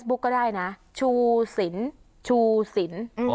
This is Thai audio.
เฟสบุ๊คก็ได้นะชูสินชูสิน